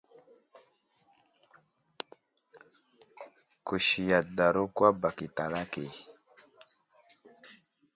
Kusi adəɗaro kwa bak i talake.